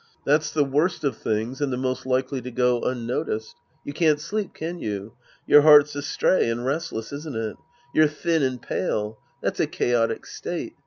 That's the worst of things and the most likely to go unnoticed. You can't sleep, can you ? Your heart's astray and restless, isn't it? You're thin and pale. That's a chaotic state.